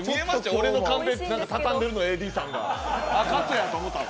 俺のカンペたたんでる、ＡＤさんが。